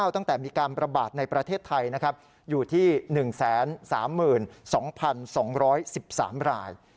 ตั้งแต่มีการประบาดในประเทศไทยอยู่ที่๑๓๒๒๑๓ราย